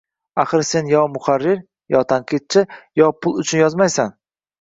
Axir, sen yo muharrir, yo tanqidchi, yo pul uchun yozmaysan